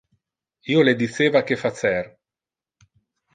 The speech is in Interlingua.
Io le diceva que facer.